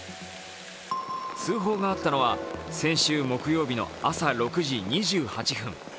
通報があったのは、先週木曜日の朝６時２８分。